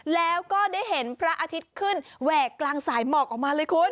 แล้วก็ได้เห็นพระอาทิตย์ขึ้นแหวกกลางสายหมอกออกมาเลยคุณ